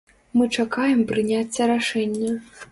Мы чакаем прыняцця рашэння.